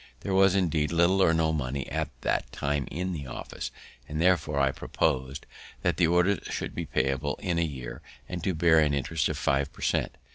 There was, indeed, little or no money at that time in the office, and therefore I propos'd that the orders should be payable in a year, and to bear an interest of five per cent.